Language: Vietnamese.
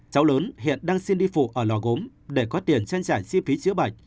cháu lớn hiện đang xin đi phụ ở lò gốm để có tiền trang trải chi phí chữa bệnh